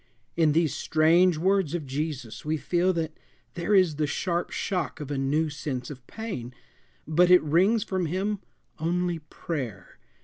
In these strange words of Jesus we feel that there is the sharp shock of a new sense of pain, but it wrings from him only prayer.